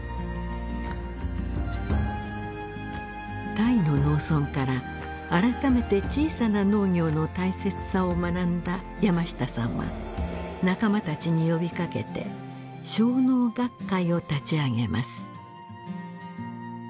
タイの農村から改めて小さな農業の大切さを学んだ山下さんは仲間たちに呼びかけて小農学会を立ち上げます。